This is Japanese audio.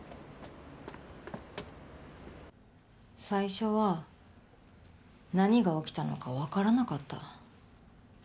最初は何が起きたのかわからなかった。